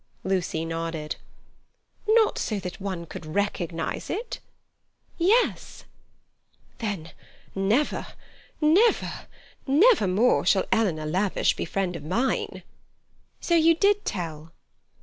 Lucy nodded. "Not so that one could recognize it. Yes." "Then never—never—never more shall Eleanor Lavish be a friend of mine." "So you did tell?"